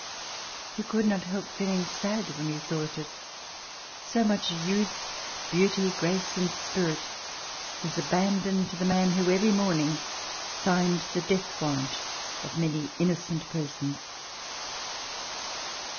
You could not help feeling sad when you thought that so much youth, beauty, grace and spirit was abandoned to the man who, every morning, signed the death warrant of many innocent persons.